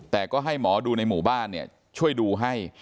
แต่ก็ให้หมอดูในหมู่บ้านช่วยดูให้